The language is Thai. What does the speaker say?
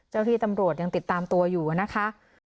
ที่ตำรวจยังติดตามตัวอยู่นะคะ